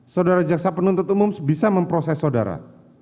saudara jaksa penuntut umum bisa memproses saudara